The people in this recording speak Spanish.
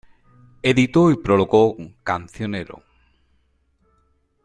Editó y prologó "Cancionero.